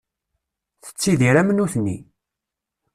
Tettidir am nutni.